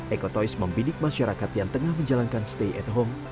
ekotois membidik masyarakat yang tengah menjalankan stay at home